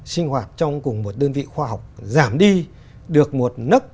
sinh hoạt trong cùng một đơn vị khoa học giảm đi được một nức